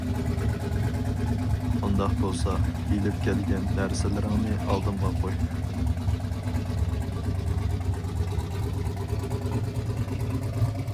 -ئۇنداق بولسا ئېلىپ كەلگەن نەرسىلىرىڭنى ئالدىمغا قوي!